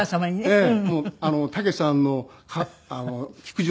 ええ。